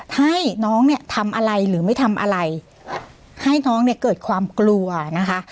ให้น้องเนี่ยทำอะไรหรือไม่ทำอะไรให้น้องเนี่ยเกิดความกลัวนะคะ